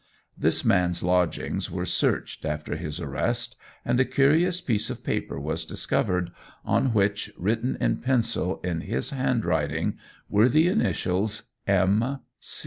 This man's lodgings were searched after his arrest, and a curious piece of paper was discovered, on which, written in pencil in his handwriting, were the initials "M.